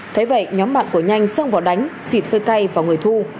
thế vậy nhóm mặt của nhanh xông vào đánh xịt hơi cay vào người thu